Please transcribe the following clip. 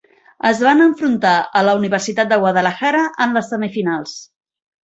Es van enfrontar a la Universitat de Guadalajara en les semifinals.